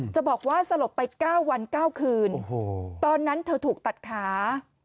จะบอกว่าสลบไป๙วัน๙คืนตอนนั้นเธอถูกตัดขา